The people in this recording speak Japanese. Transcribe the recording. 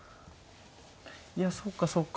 いやそうかそうか。